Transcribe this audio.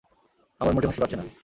আমার মোটেও হাসি পাচ্ছে না।